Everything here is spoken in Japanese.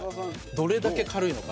どれだけ軽いのか。